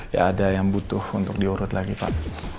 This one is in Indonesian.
ya ada yang butuh untuk diurut lagi pak